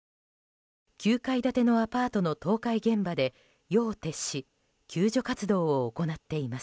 ９階建てのアパートの倒壊現場で夜を徹し救助活動を行っています。